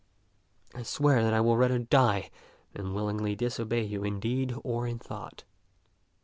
I swear that I will die rather than willingly disobey you in deed or in thought."